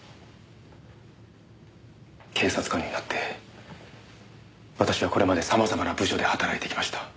警察官になって私はこれまで様々な部署で働いてきました。